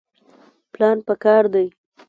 پلان پکار دی